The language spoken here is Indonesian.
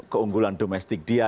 keunggulan domestik dia